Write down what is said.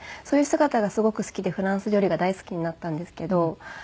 そういう姿がすごく好きでフランス料理が大好きになったんですけど。